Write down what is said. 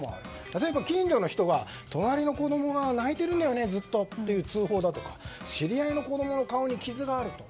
例えば近所の人が、隣の子供がずっと泣いているのよねという通報だとか知り合いの子供の顔に傷があると。